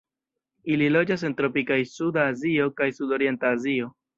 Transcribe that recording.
Ili loĝas en tropikaj Suda Azio kaj Sudorienta Azio.